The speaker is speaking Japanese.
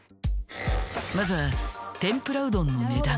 まずは天ぷらうどんの値段。